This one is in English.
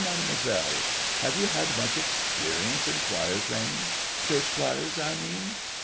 Mademoiselle. Have you had much experience in choir training — church choirs I mean